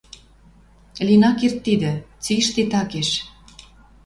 Лин ак керд тидӹ, цишти такеш.